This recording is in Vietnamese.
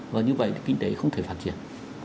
và như vậy kinh tế không thể phát triển